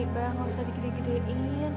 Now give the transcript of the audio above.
bang gausah dikede kedein